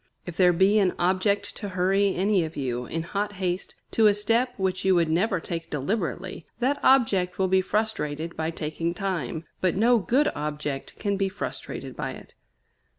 If there be an object to hurry any of you, in hot haste, to a step which you would never take deliberately, that object will be frustrated by taking time; but no good object can be frustrated by it.